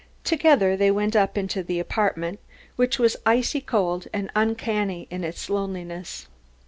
Together they went up into the apartment, which was icy cold and uncanny in its loneliness.